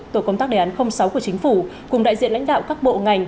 tổ công tác đề án sáu của chính phủ cùng đại diện lãnh đạo các bộ ngành